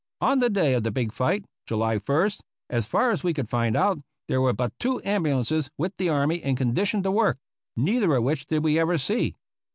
On the day of the big fight, July ist, as far as we could find out, there were but two ambulances with the army in condition to work — neither of which did we ever see.